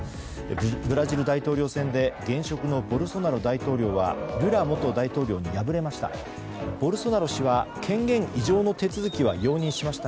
ブラジル大統領選で現職のボルソナロ大統領はルラ元大統領に敗れました。